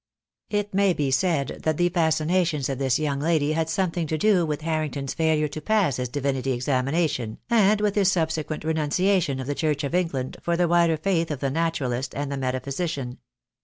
It may be that the fascinations of this young lady had something to do with Harrington's failure to pass his Divinity examination, and with his subsequent renuncia tion of the Church of England for the wider faith of the naturalist and the metaphysician.